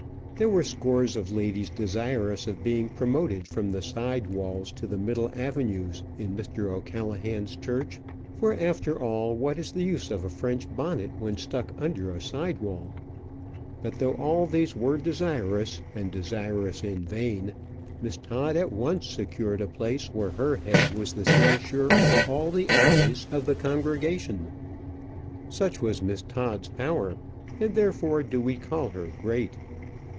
There were scores of ladies desirous of being promoted from the side walls to the middle avenues in Mr. O'Callaghan's church; for, after all, what is the use of a French bonnet when stuck under a side wall? But though all these were desirous, and desirous in vain, Miss Todd at once secured a place where her head was the cynosure of all the eyes of the congregation. Such was Miss Todd's power, and therefore do we call her great.